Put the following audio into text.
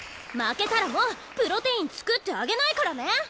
負けたらもうプロテイン作ってあげないからね！